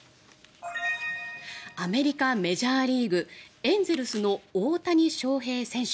アメリカ、メジャーリーグエンゼルスの大谷翔平選手